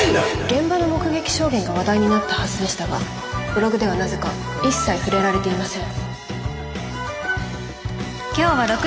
現場の目撃証言が話題になったはずでしたがブログではなぜか一切触れられていません。